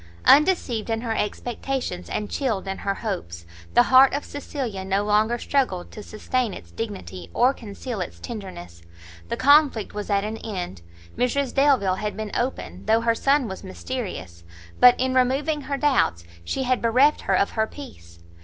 Undeceived in her expectations and chilled in her hopes, the heart of Cecilia no longer struggled to sustain its dignity, or conceal its tenderness; the conflict was at an end, Mrs Delvile had been open, though her son was mysterious; but, in removing her doubts, she had bereft her of her peace.